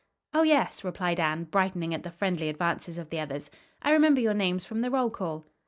"Oh, yes," replied Anne, brightening at the friendly advances of the others. "I remember your names from the roll call."